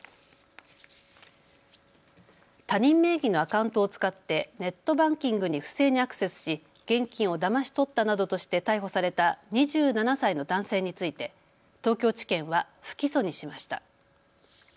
他人名義のアカウントを使ってネットバンキングに不正にアクセスし現金をだまし取ったなどとして逮捕された２７歳の男性について東京地検は不起訴にしました。